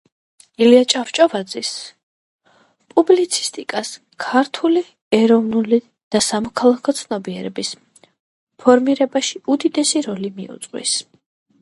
ილია ჭავჭავაძის პუბლიცისტიკას ქართული ეროვნული და სამოქალაქო ცნობიერების ფორმირებაში უდიდესი როლი მიუძღვის